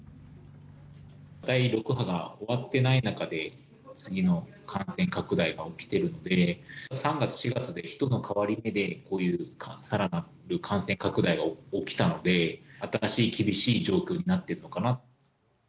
第６波が終わってない中で次の感染拡大が起きてるんで、３月、４月で人の変わり目で、こういうさらなる感染拡大が起きたので、新しい厳しい状況になっているのかな。